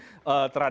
jadi ini juga terjadi